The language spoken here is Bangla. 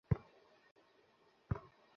আপনি কি আত্মহত্যা করেছিলেন?